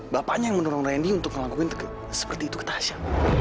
bapaknya yang mendorong randy untuk ngelakuin seperti itu ke tasya